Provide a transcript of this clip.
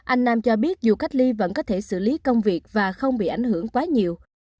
anh nam cho biết dù cách ly vẫn có thể xử lý công việc và không bị ảnh hưởng quá nhiều